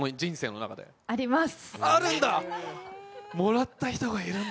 あるんだ？